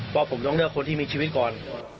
เพราะผมต้องเลือกคนที่มีชีวิตก่อน